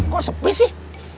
kok sepi sih